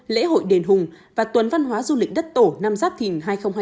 lễ hội đền hùng và tuần văn hóa du lịch đất tổ năm giáp thìn hai nghìn hai mươi bốn